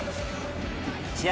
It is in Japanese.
試合